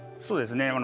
そうですね。